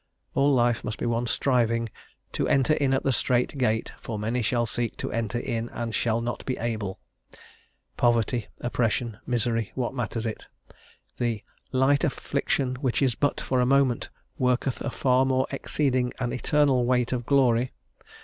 All life must be one striving "to enter in at the strait gate, for many shall seek to enter in and shall not be able;" poverty, oppression, misery, what matters it? the "light affliction which is but for a moment worketh a far more exceeding and eternal weight of glory."